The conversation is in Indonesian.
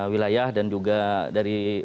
wilayah dan juga dari